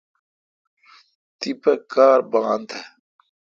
تیپہ کار بان تھ